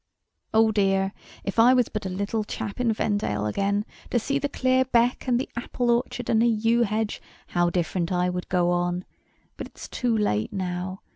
"Oh, dear, if I was but a little chap in Vendale again, to see the clear beck, and the apple orchard, and the yew hedge, how different I would go on! But it's too late now.